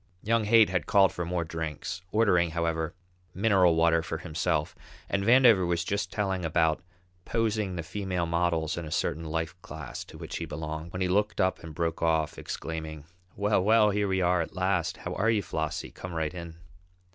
Young Haight had called for more drinks, ordering, however, mineral water for himself, and Vandover was just telling about posing the female models in a certain life class to which he belonged, when he looked up and broke off, exclaiming: "Well, well, here we are at last! How are you, Flossie? Come right in."